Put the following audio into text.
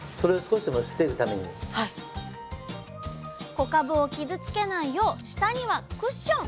小かぶを傷つけないよう下にはクッション。